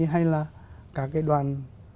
hay là các cái đoàn